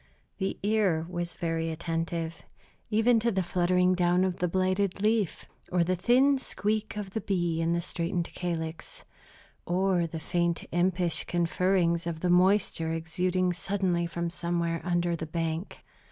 The ear was very attentive even to the fluttering down of the blighted leaf, or the thin squeak of the bee in the straitened calyx, or the faint impish conferrings of the moisture exuding suddenly from somewhere under the bank.